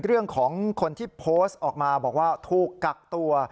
เรื่องของคนที่โพสต์ออกมาบอกว่าถูกกักตัว